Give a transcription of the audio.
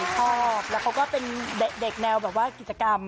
ชอบเด็กน่าว่ากิจกรรม